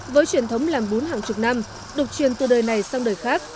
với truyền thống làm bún hàng chục năm được truyền từ đời này sang đời khác